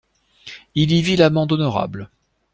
Il y vit l'amende honorable.